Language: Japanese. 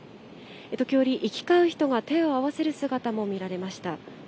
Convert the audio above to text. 時折、行き交う人が手を合わせる姿も見られました。